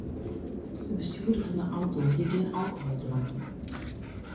De bestjoerder fan de auto hie gjin alkohol dronken.